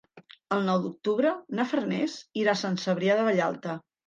El nou d'octubre na Farners irà a Sant Cebrià de Vallalta.